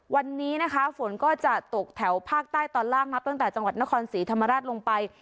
วันนี้นะคะฝนก็จะตกแถวภาคใต้ตอนล่างนับตั้งแต่จังหวัดนครศรีธรรมราชลงไป